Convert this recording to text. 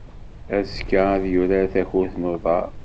Azekka, ad yurar takurt n uḍar.